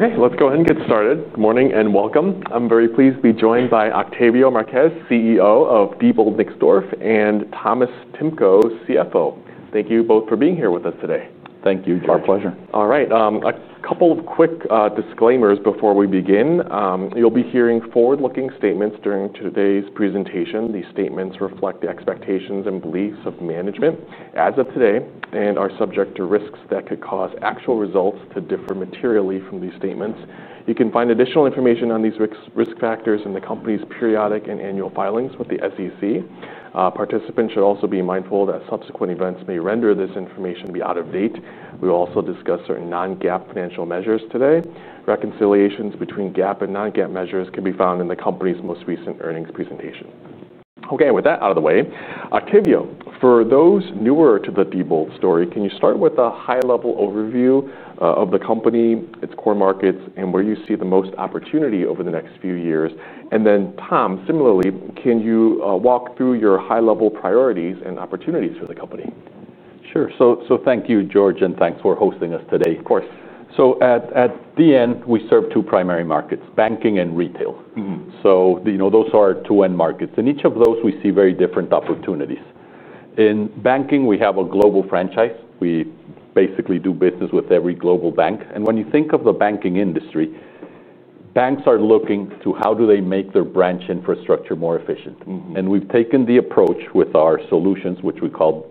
Okay, let's go ahead and get started. Good morning and welcome. I'm very pleased to be joined by Octavio Marquez, CEO of Diebold Nixdorf, and Thomas Timko, CFO. Thank you both for being here with us today. Thank you. It's our pleasure. All right. A couple of quick disclaimers before we begin. You'll be hearing forward-looking statements during today's presentation. These statements reflect the expectations and beliefs of management as of today and are subject to risks that could cause actual results to differ materially from these statements. You can find additional information on these risk factors in the company's periodic and annual filings with the SEC. Participants should also be mindful that subsequent events may render this information to be out of date. We will also discuss certain non-GAAP financial measures today. Reconciliations between GAAP and non-GAAP measures can be found in the company's most recent earnings presentation. Okay, with that out of the way, Octavio, for those newer to the Diebold story, can you start with a high-level overview of the company, its core markets, and where you see the most opportunity over the next few years? Tom, similarly, can you walk through your high-level priorities and opportunities for the company? Sure. Thank you, George, and thanks for hosting us today. Of course. At the end, we serve two primary markets: banking and retail. Those are our two end markets. In each of those, we see very different opportunities. In banking, we have a global franchise. We basically do business with every global bank. When you think of the banking industry, banks are looking to how do they make their branch infrastructure more efficient. We've taken the approach with our solutions, which we call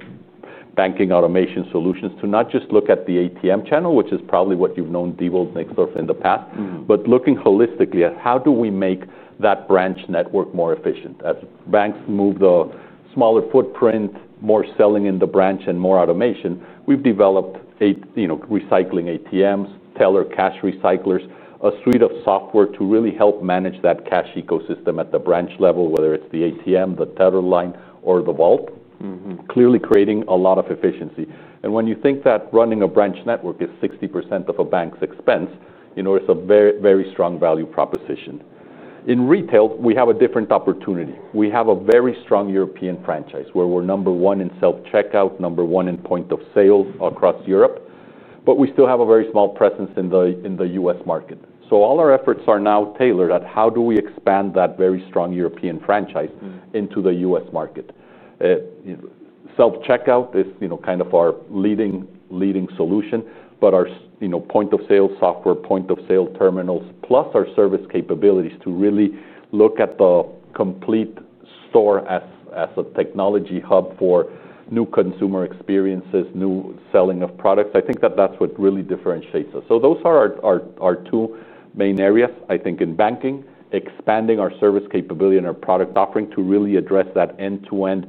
Branch Automation Solutions, to not just look at the ATM channel, which is probably what you've known Diebold Nixdorf in the past, but looking holistically at how do we make that branch network more efficient as banks move to a smaller footprint, more selling in the branch, and more automation. We've developed recycling ATMs, teller cash recyclers, a suite of software to really help manage that cash ecosystem at the branch level, whether it's the ATM, the teller line, or the vault, clearly creating a lot of efficiency. When you think that running a branch network is 60% of a bank's expense, it's a very, very strong value proposition. In retail, we have a different opportunity. We have a very strong European franchise where we're number one in self-checkout, number one in point of sale across Europe. We still have a very small presence in the U.S. market. All our efforts are now tailored at how do we expand that very strong European franchise into the U.S. market. Self-checkout is kind of our leading solution, but our point of sale software, point of sale terminals, plus our service capabilities to really look at the complete store as a technology hub for new consumer experiences, new selling of products. I think that that's what really differentiates us. Those are our two main areas. I think in banking, expanding our service capability and our product offering to really address that end-to-end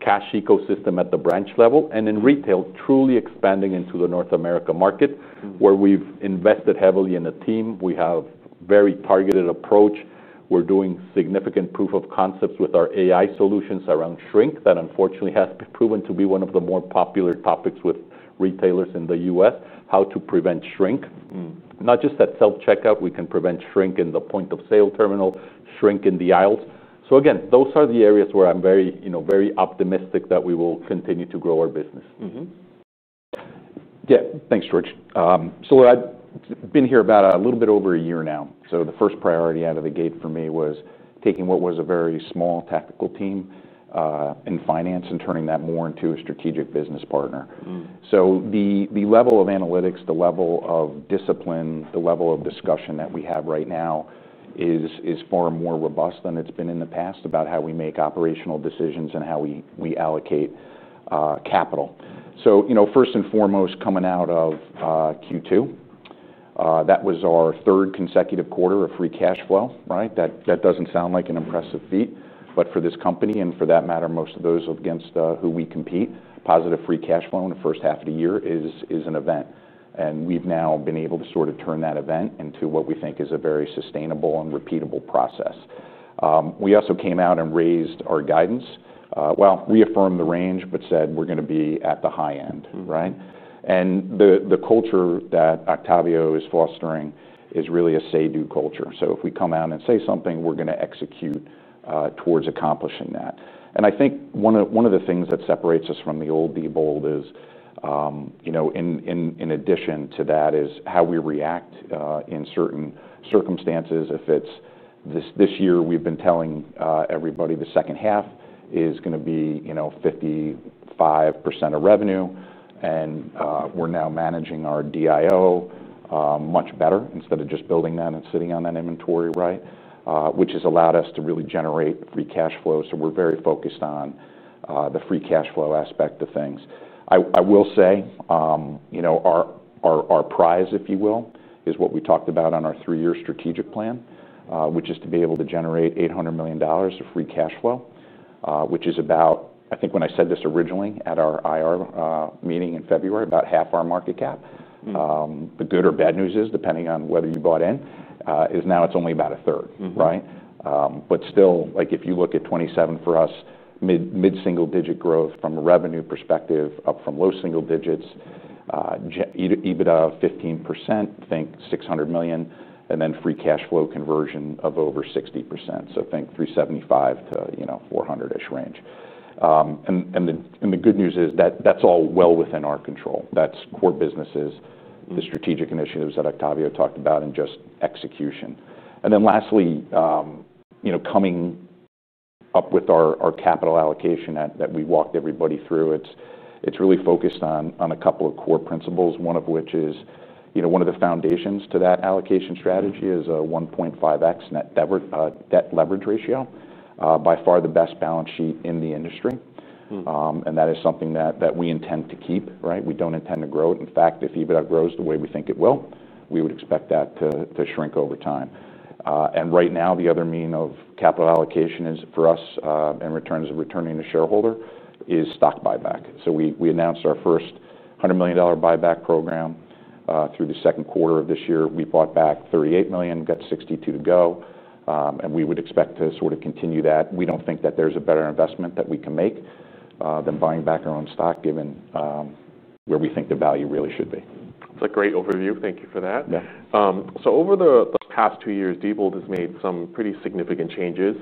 cash ecosystem at the branch level. In retail, truly expanding into the North America market where we've invested heavily in a team. We have a very targeted approach. We're doing significant proof-of-concept initiatives with our AI solutions around shrink that unfortunately has proven to be one of the more popular topics with retailers in the U.S., how to prevent shrink. Not just at self-checkout, we can prevent shrink in the point of sale terminal, shrink in the aisles. Those are the areas where I'm very, you know, very optimistic that we will continue to grow our business. Yeah, thanks, George. I've been here about a little bit over a year now. The first priority out of the gate for me was taking what was a very small tactical team in finance and turning that more into a strategic business partner. The level of analytics, the level of discipline, the level of discussion that we have right now is far more robust than it's been in the past about how we make operational decisions and how we allocate capital. First and foremost, coming out of Q2, that was our third consecutive quarter of free cash flow, right? That doesn't sound like an impressive feat, but for this company and for that matter, most of those against who we compete, positive free cash flow in the first half of the year is an event. We've now been able to sort of turn that event into what we think is a very sustainable and repeatable process. We also came out and raised our guidance, reaffirmed the range, but said we're going to be at the high end, right? The culture that Octavio is fostering is really a say-do culture. If we come out and say something, we're going to execute towards accomplishing that. I think one of the things that separates us from the old Diebold is, in addition to that, how we react in certain circumstances. This year, we've been telling everybody the second half is going to be 55% of revenue. We're now managing our DIO much better instead of just building that and sitting on that inventory, right? Which has allowed us to really generate free cash flow. We're very focused on the free cash flow aspect of things. I will say, our prize, if you will, is what we talked about on our three-year strategic plan, which is to be able to generate $800 million of free cash flow, which is about, I think when I said this originally at our IR meeting in February, about half our market cap. The good or bad news is, depending on whether you bought in, is now it's only about 1/3, right? Still, if you look at 2027 for us, mid-single-digit growth from a revenue perspective, up from low single digits, EBITDA of 15%, think $600 million, and then free cash flow conversion of over 60%. Think $375 to $400-ish range. The good news is that that's all well within our control. That's core businesses, the strategic initiatives that Octavio talked about, and just execution. Lastly, coming up with our capital allocation that we walked everybody through, it's really focused on a couple of core principles. One of which is, one of the foundations to that allocation strategy is a 1.5x net debt leverage ratio, by far the best balance sheet in the industry. That is something that we intend to keep, right? We don't intend to grow it. In fact, if EBITDA grows the way we think it will, we would expect that to shrink over time. Right now, the other mean of capital allocation for us in terms of returning to shareholder is stock buyback. We announced our first $100 million buyback program. Through the second quarter of this year, we bought back $38 million, got $62 million to go. We would expect to sort of continue that. We don't think that there's a better investment that we can make than buying back our own stock, given where we think the value really should be. That's a great overview. Thank you for that. Yeah. Over the past two years, Diebold has made some pretty significant changes,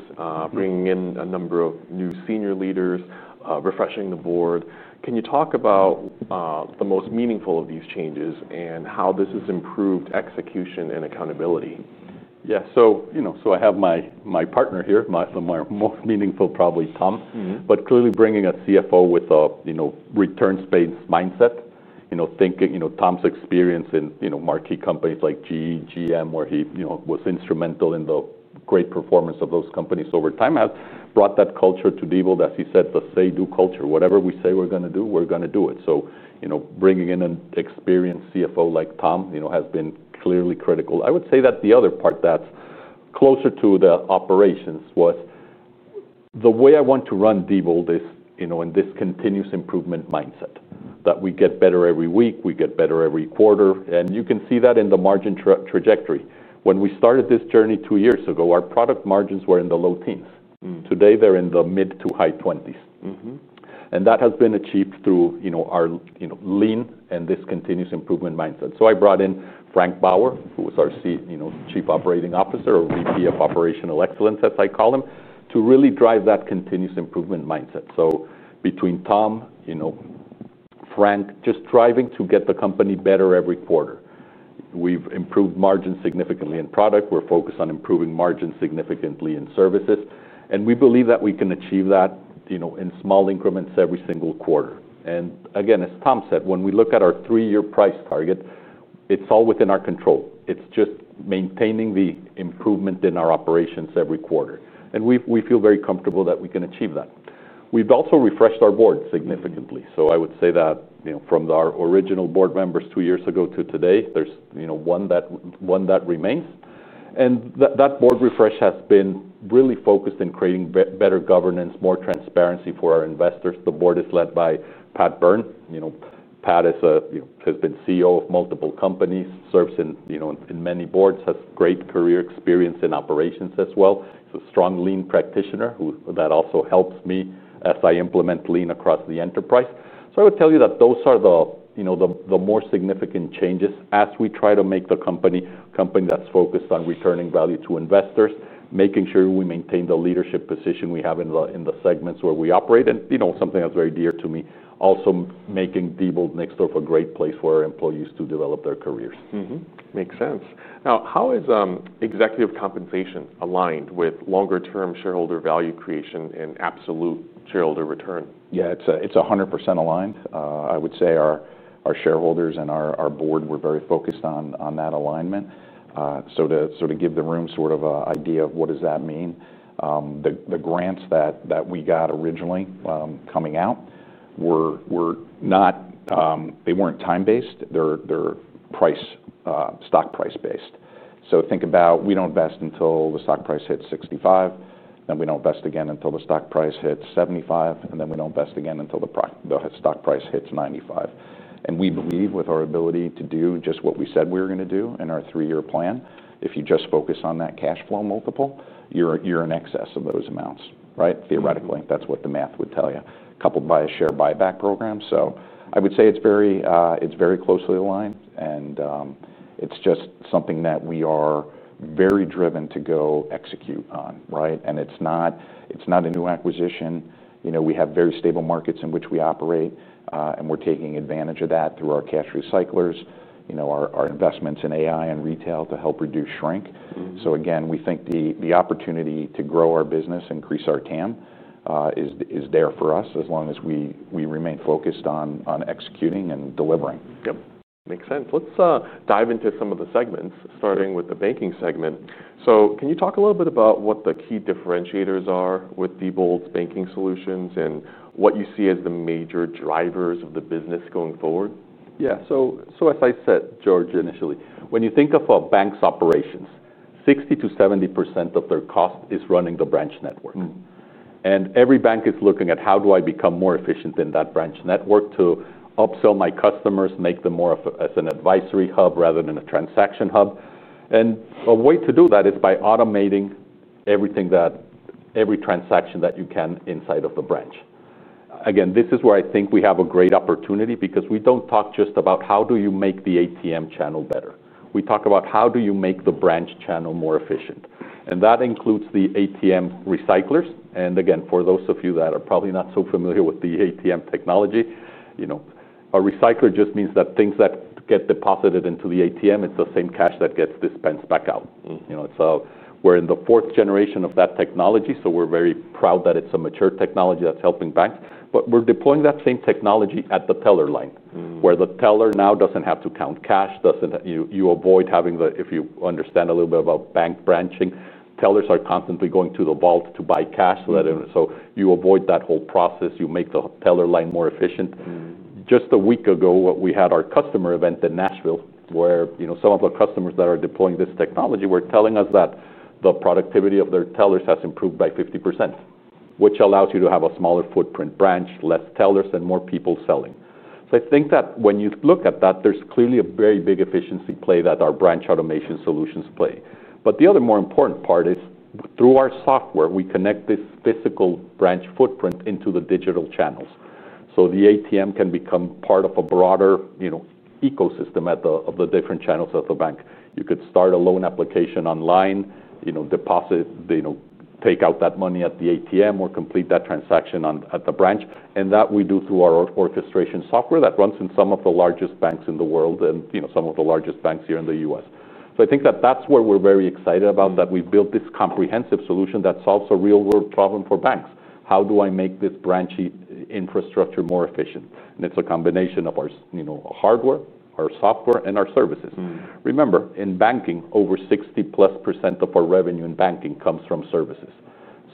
bringing in a number of new senior leaders and refreshing the board. Can you talk about the most meaningful of these changes and how this has improved execution and accountability? Yeah, I have my partner here, the most meaningful probably Tom, but clearly bringing a CFO with a return space mindset, thinking, Tom's experience in marquee companies like GE, GM, where he was instrumental in the great performance of those companies over time has brought that culture to Diebold, as he said, the say-do culture. Whatever we say we're going to do, we're going to do it. Bringing in an experienced CFO like Tom has been clearly critical. I would say that the other part that's closer to the operations was the way I want to run Diebold Nixdorf is in this continuous improvement mindset that we get better every week, we get better every quarter. You can see that in the margin trajectory. When we started this journey two years ago, our product margins were in the low teens. Today, they're in the mid to high 20s. That has been achieved through our lean and this continuous improvement mindset. I brought in Frank Baur, who was our Chief Operating Officer or VP of Operational Excellence, as I call him, to really drive that continuous improvement mindset. Between Tom, Frank, just driving to get the company better every quarter. We've improved margins significantly in product. We're focused on improving margins significantly in services. We believe that we can achieve that in small increments every single quarter. As Tom said, when we look at our three-year price target, it's all within our control. It's just maintaining the improvement in our operations every quarter. We feel very comfortable that we can achieve that. We've also refreshed our board significantly. From our original board members two years ago to today, there's one that remains. That board refresh has been really focused in creating better governance, more transparency for our investors. The board is led by Pat Byrne. Pat has been CEO of multiple companies, serves in many boards, has great career experience in operations as well. He's a strong lean practitioner that also helps me as I implement lean across the enterprise. Those are the more significant changes as we try to make the company a company that's focused on returning value to investors, making sure we maintain the leadership position we have in the segments where we operate. Something that's very dear to me, also making Diebold Nixdorf a great place for our employees to develop their careers. Makes sense. Now, how is executive compensation aligned with longer-term shareholder value creation and absolute shareholder return? Yeah, it's 100% aligned. I would say our shareholders and our board were very focused on that alignment. To sort of give the room sort of an idea of what does that mean, the grants that we got originally coming out, they weren't time-based. They're stock price-based. Think about we don't invest until the stock price hits $65, and we don't invest again until the stock price hits $75, and then we don't invest again until the stock price hits $95. We believe with our ability to do just what we said we were going to do in our three-year plan, if you just focus on that cash flow multiple, you're in excess of those amounts, right? Theoretically, that's what the math would tell you, coupled by a share buyback program. I would say it's very closely aligned, and it's just something that we are very driven to go execute on, right? It's not a new acquisition. We have very stable markets in which we operate, and we're taking advantage of that through our cash recyclers, our investments in AI and retail to help reduce shrink. Again, we think the opportunity to grow our business, increase our TAM is there for us as long as we remain focused on executing and delivering. Okay, makes sense. Let's dive into some of the segments, starting with the banking segment. Can you talk a little bit about what the key differentiators are with Diebold's banking solutions and what you see as the major drivers of the business going forward? Yeah, as I said, George, initially, when you think of a bank's operations, 60%-70% of their cost is running the branch network. Every bank is looking at how do I become more efficient in that branch network to upsell my customers, make them more of an advisory hub rather than a transaction hub. A way to do that is by automating everything that you can inside of the branch. This is where I think we have a great opportunity because we don't talk just about how do you make the ATM channel better. We talk about how do you make the branch channel more efficient. That includes the recycling ATMs. For those of you that are probably not so familiar with the ATM technology, a recycler just means that things that get deposited into the ATM, it's the same cash that gets dispensed back out. We're in the fourth generation of that technology, so we're very proud that it's a mature technology that's helping banks. We're deploying that same technology at the teller line, where the teller now doesn't have to count cash. If you understand a little bit about bank branching, tellers are constantly going to the vault to buy cash. You avoid that whole process. You make the teller line more efficient. Just a week ago, we had our customer event in Nashville, where some of our customers that are deploying this technology were telling us that the productivity of their tellers has improved by 50%, which allows you to have a smaller footprint branch, fewer tellers, and more people selling. I think that when you look at that, there's clearly a very big efficiency play that our Branch Automation Solutions play. The other more important part is through our software, we connect this physical branch footprint into the digital channels. The ATM can become part of a broader ecosystem of the different channels of the bank. You could start a loan application online, deposit, take out that money at the ATM, or complete that transaction at the branch. We do that through our orchestration software that runs in some of the largest banks in the world and some of the largest banks here in the U.S. I think that's where we're very excited that we've built this comprehensive solution that solves a real-world problem for banks. How do I make this branching infrastructure more efficient? It's a combination of our hardware, our software, and our services. Remember, in banking, over 60% of our revenue in banking comes from services.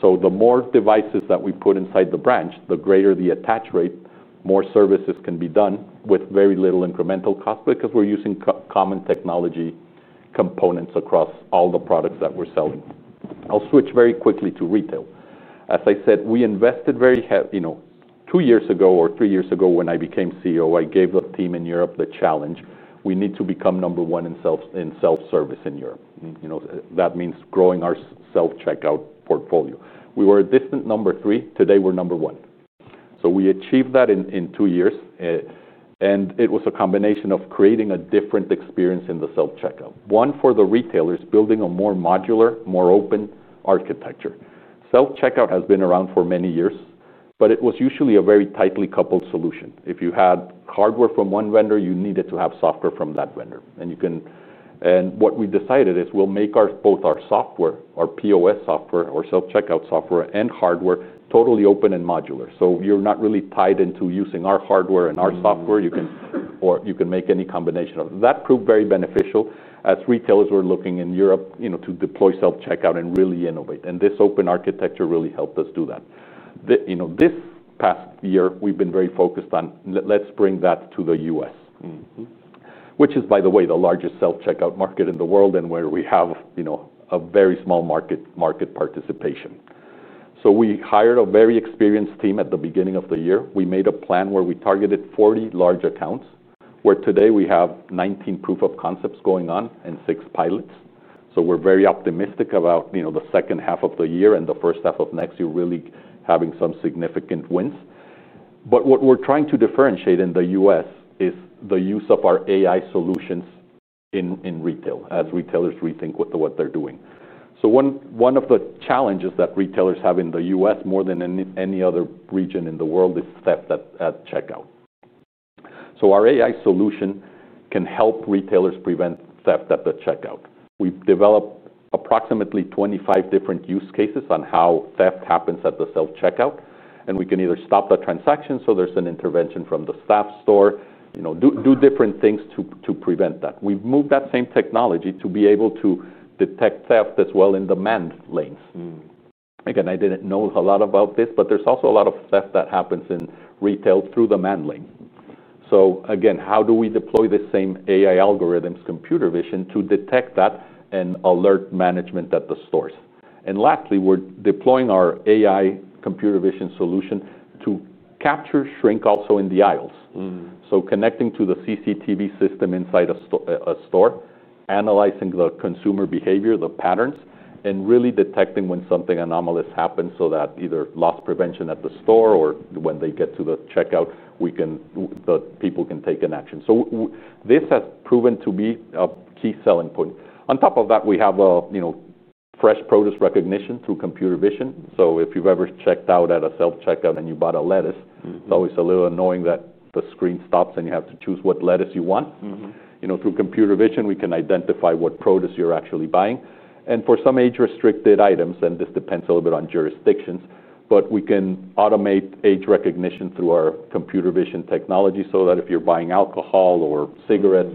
The more devices that we put inside the branch, the greater the attach rate, more services can be done with very little incremental cost because we're using common technology components across all the products that we're selling. I'll switch very quickly to retail. As I said, we invested, you know, two years ago or three years ago when I became CEO, I gave the team in Europe the challenge. We need to become number one in self-service in Europe. That means growing our self-checkout portfolio. We were a distant number three. Today, we're number one. We achieved that in two years. It was a combination of creating a different experience in the self-checkout, one for the retailers, building a more modular, more open architecture. Self-checkout has been around for many years, but it was usually a very tightly coupled solution. If you had hardware from one vendor, you needed to have software from that vendor. What we decided is we'll make both our software, our POS software, our self-checkout software, and hardware totally open and modular. You're not really tied into using our hardware and our software. You can, or you can make any combination of that. That proved very beneficial as retailers were looking in Europe to deploy self-checkout and really innovate. This open architecture really helped us do that. This past year, we've been very focused on let's bring that to the U.S., which is, by the way, the largest self-checkout market in the world and where we have a very small market participation. We hired a very experienced team at the beginning of the year. We made a plan where we targeted 40 large accounts, where today we have 19 proof-of-concept initiatives going on and six pilots. We're very optimistic about the second half of the year and the first half of next year really having some significant wins. What we're trying to differentiate in the U.S. is the use of our AI solutions in retail as retailers rethink what they're doing. One of the challenges that retailers have in the U.S., more than in any other region in the world, is theft at checkout. Our AI solution can help retailers prevent theft at the checkout. We've developed approximately 25 different use cases on how theft happens at the self-checkout. We can either stop the transaction so there's an intervention from the store staff, do different things to prevent that. We've moved that same technology to be able to detect theft as well in the manned lanes. I didn't know a lot about this, but there's also a lot of theft that happens in retail through the manned lane. How do we deploy the same AI algorithms, computer vision to detect that and alert management at the stores? Lastly, we're deploying our AI computer vision solution to capture shrink also in the aisles. Connecting to the CCTV system inside a store, analyzing the consumer behavior, the patterns, and really detecting when something anomalous happens so that either loss prevention at the store or when they get to the checkout, people can take an action. This has proven to be a key selling point. On top of that, we have fresh produce recognition through computer vision. If you've ever checked out at a self-checkout and you bought a lettuce, it's always a little annoying that the screen stops and you have to choose what lettuce you want. Through computer vision, we can identify what produce you're actually buying. For some age-restricted items, and this depends a little bit on jurisdictions, we can automate age recognition through our computer vision technology so that if you're buying alcohol or cigarettes,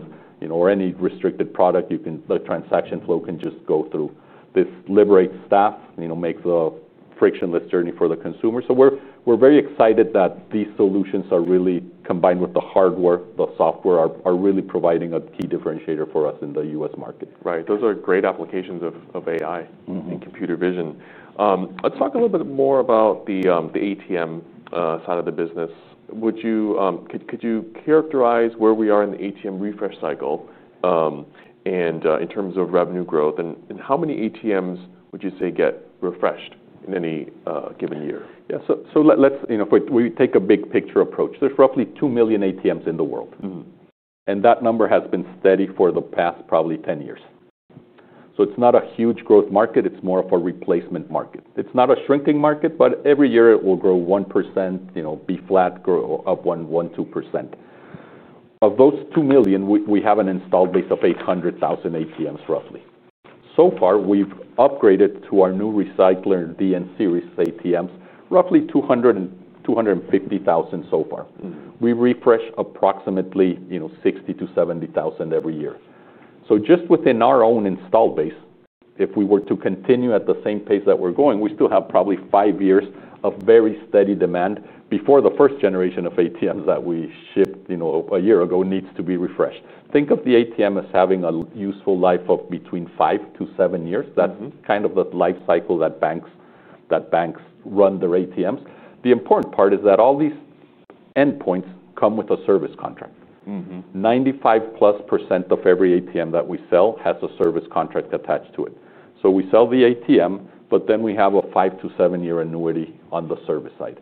or any restricted product, the transaction flow can just go through. This liberates staff and makes the frictionless journey for the consumer. We're very excited that these solutions, really combined with the hardware and the software, are really providing a key differentiator for us in the U.S. market. Right. Those are great applications of AI and computer vision. Let's talk a little bit more about the ATM side of the business. Would you, could you characterize where we are in the ATM refresh cycle, in terms of revenue growth, and how many ATMs would you say get refreshed in any given year? Yeah, if we take a big picture approach, there's roughly 2 million ATMs in the world. That number has been steady for the past probably 10 years. It's not a huge growth market. It's more of a replacement market. It's not a shrinking market, but every year it will grow 1%, be flat, grow up 1%, 2%. Of those 2 million, we have an installed base of 800,000 ATMs roughly. So far, we've upgraded to our new recycler DN Series ATMs, roughly 200,000 and 250,000 so far. We refresh approximately 60,000-70,000 every year. Just within our own installed base, if we were to continue at the same pace that we're going, we still have probably five years of very steady demand before the first generation of ATMs that we shipped a year ago needs to be refreshed. Think of the ATM as having a useful life of between five to seven years. That's kind of the life cycle that banks run their ATMs. The important part is that all these endpoints come with a service contract. 95%+ of every ATM that we sell has a service contract attached to it. We sell the ATM, but then we have a five to seven-year annuity on the service side.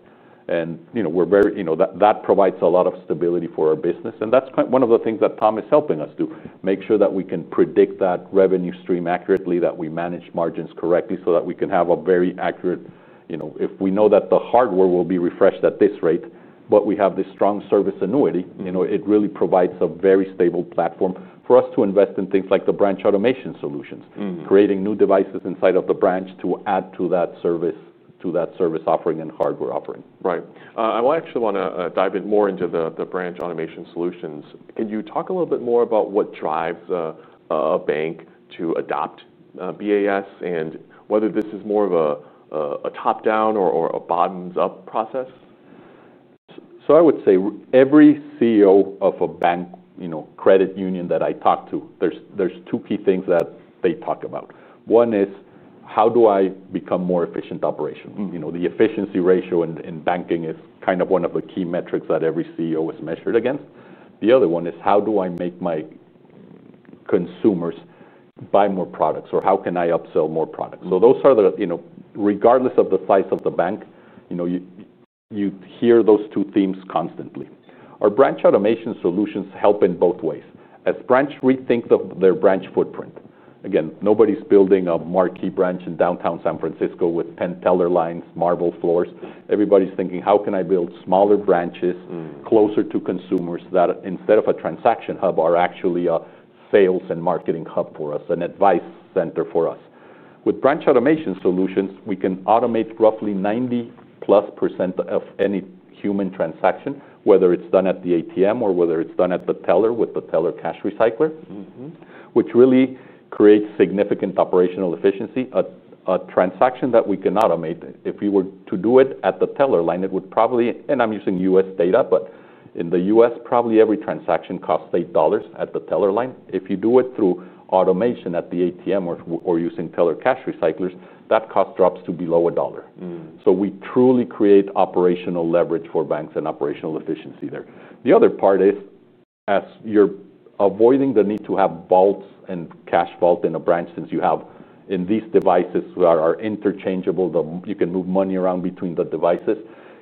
That provides a lot of stability for our business. That's one of the things that Tom is helping us do, make sure that we can predict that revenue stream accurately, that we manage margins correctly so that we can have a very accurate, if we know that the hardware will be refreshed at this rate, but we have this strong service annuity, it really provides a very stable platform for us to invest in things like the Branch Automation Solutions, creating new devices inside of the branch to add to that service, to that service offering and hardware offering. Right. I actually want to dive more into the Branch Automation Solutions. Can you talk a little bit more about what drives a bank to adopt BAS and whether this is more of a top-down or a bottoms-up process? I would say every CEO of a bank, you know, credit union that I talk to, there's two key things that they talk about. One is how do I become more efficient operations? You know, the efficiency ratio in banking is kind of one of the key metrics that every CEO is measured against. The other one is how do I make my consumers buy more products or how can I upsell more products? Those are the, you know, regardless of the size of the bank, you hear those two themes constantly. Our Branch Automation Solutions help in both ways. As branch rethinks of their branch footprint, again, nobody's building a marquee branch in downtown San Francisco with pen teller lines, marble floors. Everybody's thinking, how can I build smaller branches closer to consumers that instead of a transaction hub are actually a sales and marketing hub for us, an advice center for us? With Branch Automation Solutions, we can automate roughly 90%+ of any human transaction, whether it's done at the ATM or whether it's done at the teller with the teller cash recycler, which really creates significant operational efficiency. A transaction that we can automate, if we were to do it at the teller line, it would probably, and I'm using U.S. data, but in the U.S., probably every transaction costs $8 at the teller line. If you do it through automation at the ATM or using teller cash recyclers, that cost drops to below $1. We truly create operational leverage for banks and operational efficiency there. The other part is, as you're avoiding the need to have vaults and cash vaults in a branch, since you have these devices that are interchangeable, you can move money around between the devices.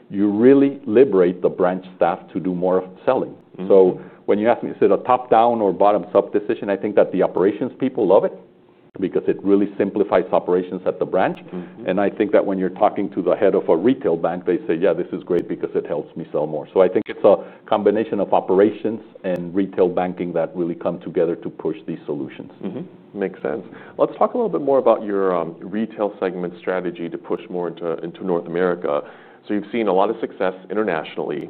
You really liberate the branch staff to do more of selling. When you ask me, is it a top-down or bottoms-up decision? I think that the operations people love it because it really simplifies operations at the branch. I think that when you're talking to the head of a retail bank, they say, yeah, this is great because it helps me sell more. I think it's a combination of operations and retail banking that really come together to push these solutions. Makes sense. Let's talk a little bit more about your retail segment strategy to push more into North America. You've seen a lot of success internationally.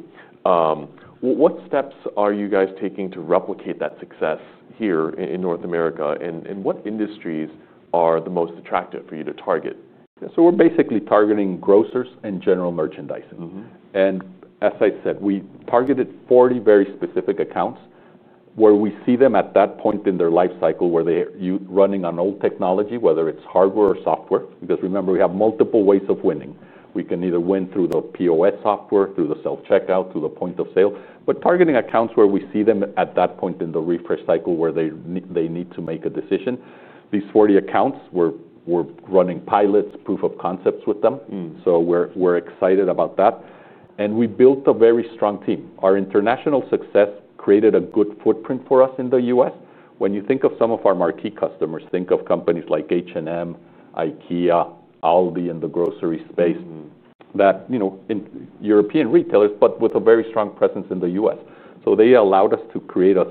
What steps are you taking to replicate that success here in North America? What industries are the most attractive for you to target? Yeah, so we're basically targeting grocers and general merchandise. As I said, we targeted 40 very specific accounts where we see them at that point in their life cycle, where they're running on old technology, whether it's hardware or software, because remember, we have multiple ways of winning. We can either win through the POS software, through the self-checkout, through the point of sale, targeting accounts where we see them at that point in the refresh cycle where they need to make a decision. These 40 accounts, we're running pilots, proof-of-concepts with them. We're excited about that. We built a very strong team. Our international success created a good footprint for us in the U.S. When you think of some of our marquee customers, think of companies like H&M, IKEA, Aldi in the grocery space, European retailers with a very strong presence in the U.S. They allowed us to create a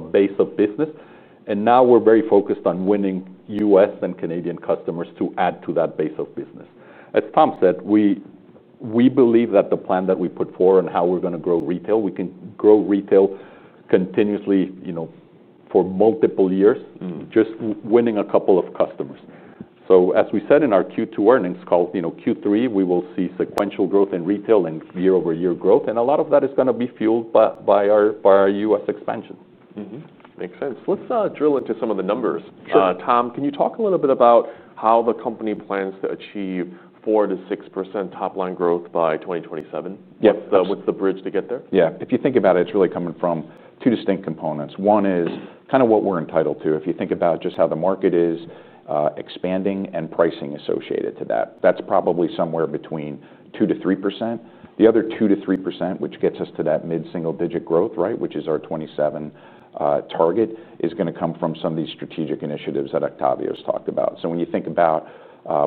base of business. Now we're very focused on winning U.S. and Canadian customers to add to that base of business. As Tom said, we believe that the plan that we put forward and how we're going to grow retail, we can grow retail continuously for multiple years, just winning a couple of customers. As we said in our Q2 earnings call, in Q3, we will see sequential growth in retail and year-over-year growth. A lot of that is going to be fueled by our U.S. expansion. Makes sense. Let's drill into some of the numbers. Tom, can you talk a little bit about how the company plans to achieve 4%-6% top-line growth by 2027? Yes. What's the bridge to get there? Yeah, if you think about it, it's really coming from two distinct components. One is kind of what we're entitled to. If you think about just how the market is, expanding and pricing associated to that, that's probably somewhere between 2%-3%. The other 2%-3%, which gets us to that mid-single-digit growth, right, which is our 2027 target, is going to come from some of these strategic initiatives that Octavio has talked about. When you think about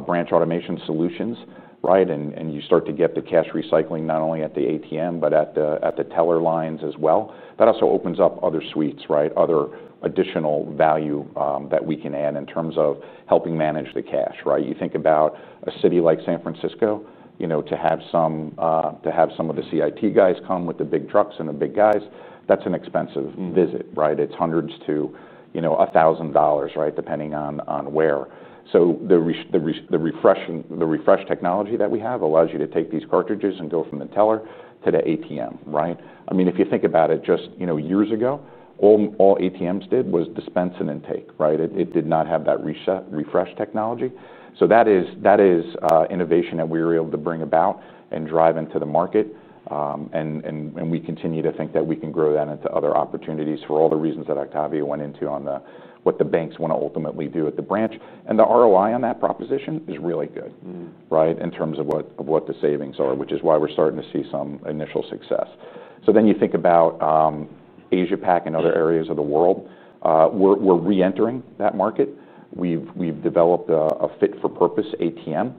Branch Automation Solutions, right, and you start to get the cash recycling not only at the ATM, but at the teller lines as well, that also opens up other suites, right, other additional value that we can add in terms of helping manage the cash, right? You think about a city like San Francisco, you know, to have some of the CIT guys come with the big trucks and the big guys, that's an expensive visit, right? It's hundreds to, you know, $1,000, right, depending on where. The refresh technology that we have allows you to take these cartridges and go from the teller to the ATM, right? I mean, if you think about it, just, you know, years ago, all ATMs did was dispense and intake, right? It did not have that refresh technology. That is innovation that we were able to bring about and drive into the market. We continue to think that we can grow that into other opportunities for all the reasons that Octavio went into on what the banks want to ultimately do at the branch. The ROI on that proposition is really good, right, in terms of what the savings are, which is why we're starting to see some initial success. You think about Asia-Pac and other areas of the world. We're reentering that market. We've developed a fit-for-purpose ATM.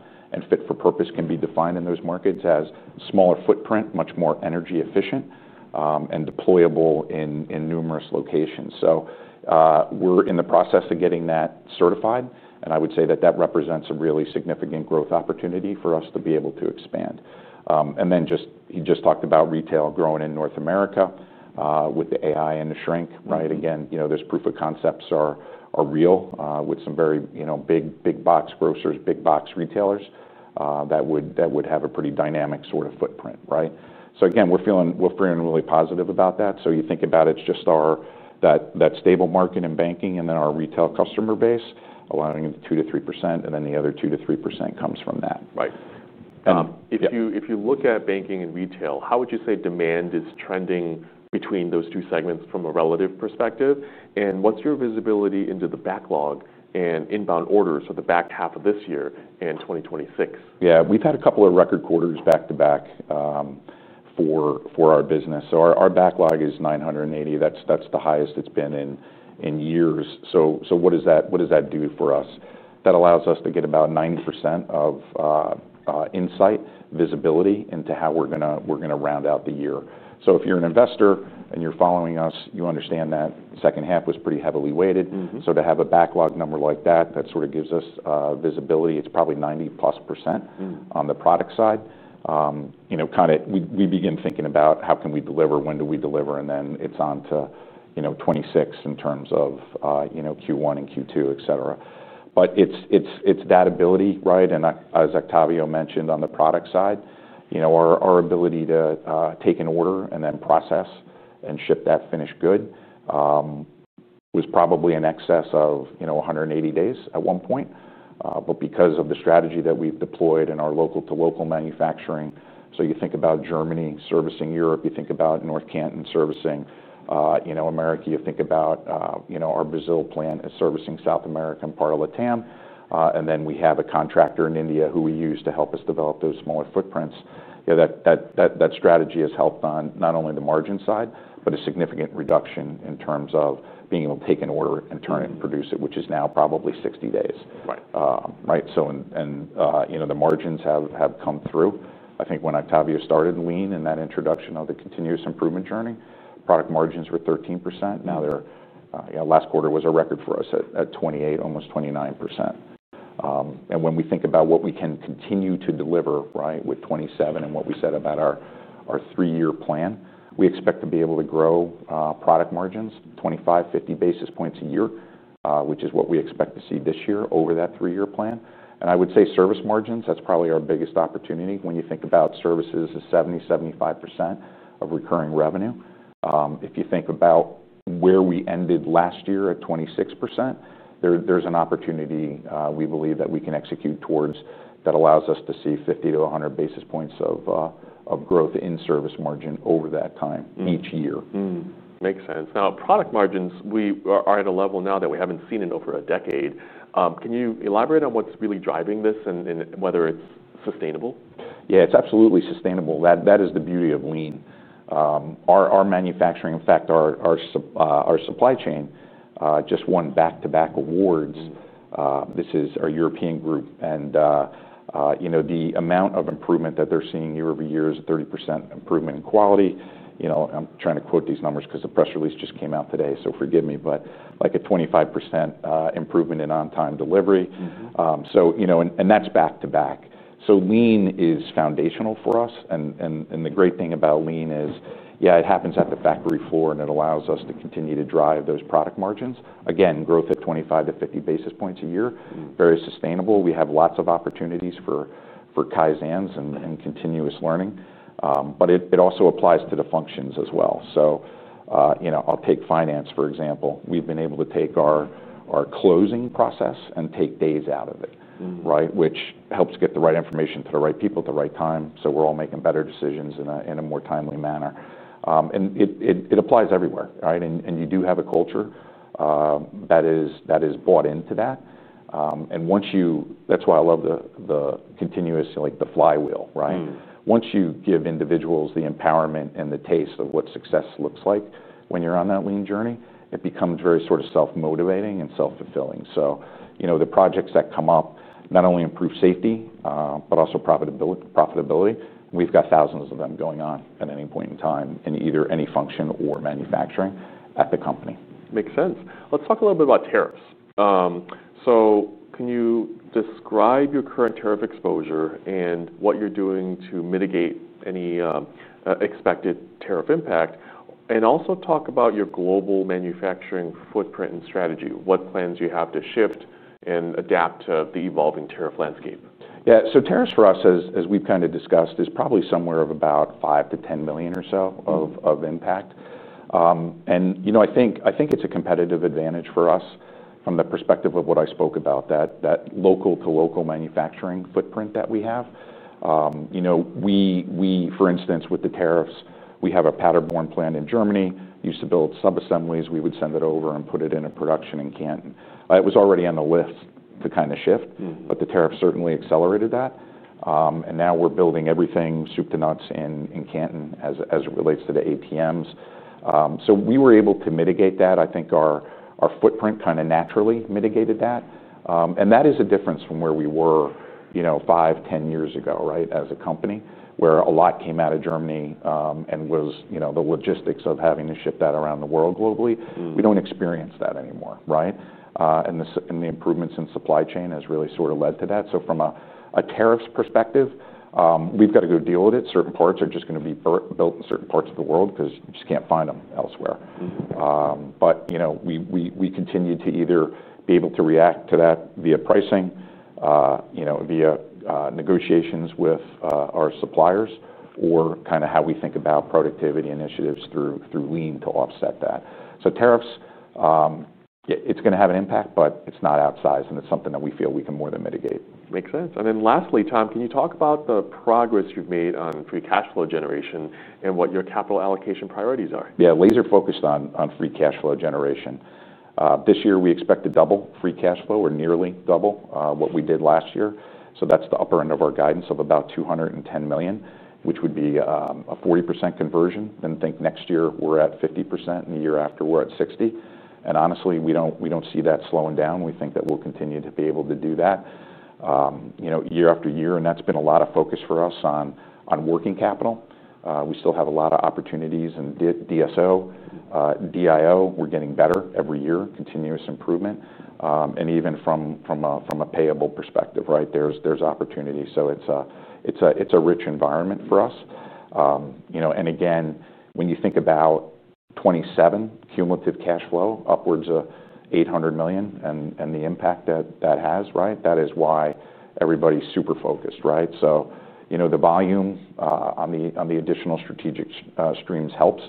Fit-for-purpose can be defined in those markets as smaller footprint, much more energy efficient, and deployable in numerous locations. We're in the process of getting that certified. I would say that that represents a really significant growth opportunity for us to be able to expand. He just talked about retail growing in North America, with the AI and the shrink, right? Again, those proof-of-concept initiatives are real, with some very, you know, big, big box grocers, big box retailers, that would have a pretty dynamic sort of footprint, right? We're feeling really positive about that. You think about it, it's just that stable market in banking and then our retail customer base, allowing the 2%-3%, and then the other 2%-3% comes from that. Right. If you look at banking and retail, how would you say demand is trending between those two segments from a relative perspective? What's your visibility into the backlog and inbound orders of the back half of this year and 2026? Yeah, we've had a couple of record quarters back to back for our business. Our backlog is $980 million. That's the highest it's been in years. What does that do for us? That allows us to get about 90% of insight, visibility into how we're going to round out the year. If you're an investor and you're following us, you understand that the second half was pretty heavily weighted. To have a backlog number like that, that sort of gives us visibility. It's probably 90%+ on the product side. You know, we begin thinking about how can we deliver, when do we deliver, and then it's on to 2026 in terms of Q1 and Q2, et cetera. It's that ability, right? As Octavio mentioned on the product side, our ability to take an order and then process and ship that finished good was probably in excess of 180 days at one point. Because of the strategy that we've deployed in our local-to-local manufacturing, you think about Germany servicing Europe, you think about North Canton servicing America, you think about our Brazil plant servicing South America and part of LatAm, and then we have a contractor in India who we use to help us develop those smaller footprints. That strategy has helped on not only the margin side, but a significant reduction in terms of being able to take an order and turn it and produce it, which is now probably 60 days. Right. Right. The margins have come through. I think when Octavio started in lean and that introduction of the continuous improvement journey, product margins were 13%. Now they're, last quarter was a record for us at 28%, almost 29%. When we think about what we can continue to deliver with 27% and what we said about our three-year plan, we expect to be able to grow product margins 25-50 basis points a year, which is what we expect to see this year over that three-year plan. I would say service margins, that's probably our biggest opportunity. When you think about services as 70%-75% of recurring revenue, if you think about where we ended last year at 26%, there's an opportunity we believe that we can execute towards that allows us to see 50-100 basis points of growth in service margin over that time each year. Makes sense. Product margins, we are at a level now that we haven't seen in over a decade. Can you elaborate on what's really driving this and whether it's sustainable? Yeah, it's absolutely sustainable. That is the beauty of lean. Our manufacturing, in fact, our supply chain just won back-to-back awards. This is our European group. You know, the amount of improvement that they're seeing year-over-year is a 30% improvement in quality. I'm trying to quote these numbers because the press release just came out today, so forgive me, but like a 25% improvement in on-time delivery. That's back-to-back. Lean is foundational for us. The great thing about lean is, yeah, it happens at the factory floor and it allows us to continue to drive those product margins. Again, growth at 25-50 basis points a year, very sustainable. We have lots of opportunities for [Kaizens] and continuous learning. It also applies to the functions as well. I'll take finance, for example. We've been able to take our closing process and take days out of it, which helps get the right information to the right people at the right time. We're all making better decisions in a more timely manner. It applies everywhere, right? You do have a culture that is bought into that. That's why I love the continuous, like the flywheel, right? Once you give individuals the empowerment and the taste of what success looks like when you're on that lean journey, it becomes very sort of self-motivating and self-fulfilling. The projects that come up not only improve safety, but also profitability. We've got thousands of them going on at any point in time in either any function or manufacturing at the company. Makes sense. Let's talk a little bit about tariffs. Can you describe your current tariff exposure and what you're doing to mitigate any expected tariff impact? Also, talk about your global manufacturing footprint and strategy. What plans do you have to shift and adapt to the evolving tariff landscape? Yeah, so tariffs for us, as we've kind of discussed, is probably somewhere of about $5 million-$10 million or so of impact. I think it's a competitive advantage for us from the perspective of what I spoke about, that local-to-local manufacturing footprint that we have. For instance, with the tariffs, we have a Paderborn plant in Germany. We used to build subassemblies, we would send it over and put it into production in Canton. It was already on the list to kind of shift, but the tariffs certainly accelerated that. Now we're building everything soup to nuts in Canton as it relates to the ATMs. We were able to mitigate that. I think our footprint kind of naturally mitigated that. That is a difference from where we were, you know, five, 10 years ago, right, as a company, where a lot came out of Germany and was, you know, the logistics of having to ship that around the world globally. We don't experience that anymore, right? The improvements in supply chain have really sort of led to that. From a tariffs perspective, we've got to go deal with it. Certain parts are just going to be built in certain parts of the world because you just can't find them elsewhere. We continue to either be able to react to that via pricing, via negotiations with our suppliers, or kind of how we think about productivity initiatives through lean to offset that. Tariffs, it's going to have an impact, but it's not outsized, and it's something that we feel we can more than mitigate. Makes sense. Lastly, Tom, can you talk about the progress you've made on free cash flow generation and what your capital allocation priorities are? Yeah, laser-focused on free cash flow generation. This year, we expect to double free cash flow or nearly double what we did last year. That's the upper end of our guidance of about $210 million, which would be a 40% conversion. I think next year we're at 50% and the year after we're at 60%. Honestly, we don't see that slowing down. We think that we'll continue to be able to do that year after year. That's been a lot of focus for us on working capital. We still have a lot of opportunities in DSO, DIO. We're getting better every year, continuous improvement. Even from a payable perspective, right, there's opportunity. It's a rich environment for us. Again, when you think about 2027 cumulative cash flow, upwards of $800 million and the impact that that has, right, that is why everybody's super focused, right? The volume on the additional strategic streams helps.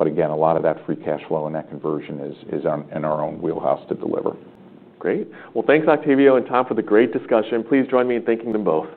Again, a lot of that free cash flow and that conversion is in our own wheelhouse to deliver. Great. Thank you, Octavio and Tom, for the great discussion. Please join me in thanking them both.